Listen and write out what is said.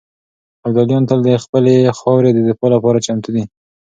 ابداليان تل د خپلې خاورې د دفاع لپاره چمتو دي.